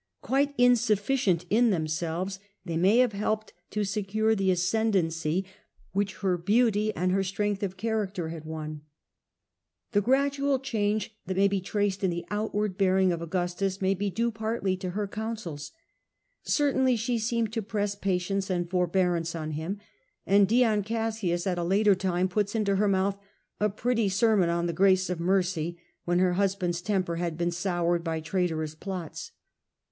Quite insufficient in themselves, they may have helped to secure the ascendency which Lma. — A.D. 14. Augustus, 29 her beauty and her strength cf character had won. The gradual change that may be traced in the outward bearing of Augustus may be due nature, partly to her counsels. Certainly she seemed to press patience and forbearance on him, and Dion Cassius at a later time puts into her mouth a pretty sermon on the grace of mercy when her husband's temper had been soured by traitorous plots.